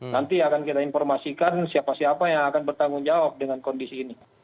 nanti akan kita informasikan siapa siapa yang akan bertanggung jawab dengan kondisi ini